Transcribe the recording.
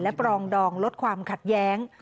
ปรองดองลดความขัดแย้ง